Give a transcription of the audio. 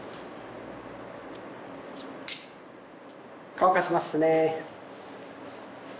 乾かしますね。